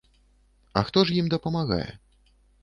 А хто ж ім памагае?